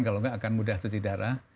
kalau nggak akan mudah cuci darah